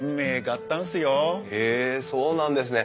へえそうなんですね。